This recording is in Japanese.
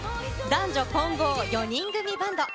男女混合４人組バンド。